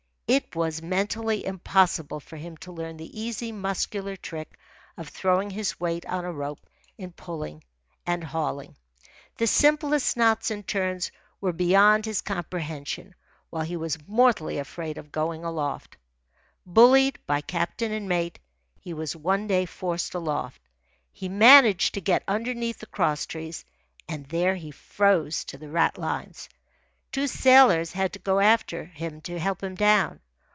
It was mentally impossible for him to learn the easy muscular trick of throwing his weight on a rope in pulling and hauling. The simplest knots and turns were beyond his comprehension, while he was mortally afraid of going aloft. Bullied by captain and mate, he was one day forced aloft. He managed to get underneath the crosstrees, and there he froze to the ratlines. Two sailors had to go after him to help him down.